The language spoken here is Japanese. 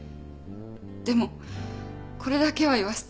でもこれだけは言わせて。